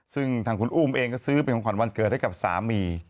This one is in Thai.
ซึ่งทางคุณอุ้มเองก็ซื้อเป็นของขวัญวันเกิดให้กับสามี